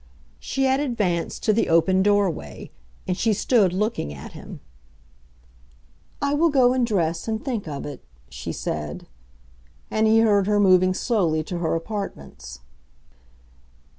She had advanced to the open doorway, and she stood looking at him. "I will go and dress and think of it," she said; and he heard her moving slowly to her apartments.